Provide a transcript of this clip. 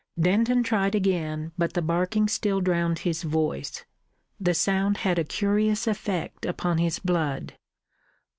Denton tried again, but the barking still drowned his voice. The sound had a curious effect upon his blood.